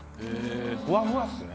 ふわふわっすね。